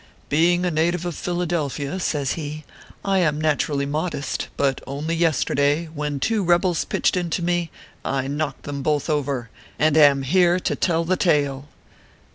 " Being a native of Philadelphia/ says he, " I am naturally modest ; but only yesterday, when two rebels pitched into me, I knocked them both over, and am here to tell the tale."